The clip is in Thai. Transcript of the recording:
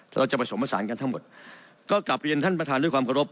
เราจะผสมผสานกันทั้งหมดก็กลับเรียนท่านประธานด้วยความเคารพ